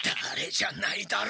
じゃないだろ。